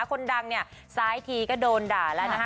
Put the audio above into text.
คนดังเนี่ยซ้ายทีก็โดนด่าแล้วนะคะ